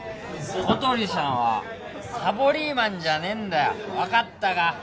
小鳥さんはサボリーマンじゃねえんだよ分かったか？